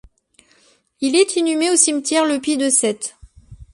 Il est inhumé au cimetière Le Py de Sète.